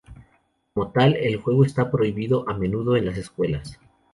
Como tal, el juego está prohibido a menudo en las escuelas.